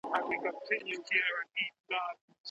د ډیپلوماسۍ له لاري د وګړو په حقونو کي پانګونه نه کیږي.